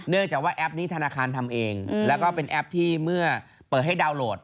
จากว่าแอปนี้ธนาคารทำเองแล้วก็เป็นแอปที่เมื่อเปิดให้ดาวน์โหลด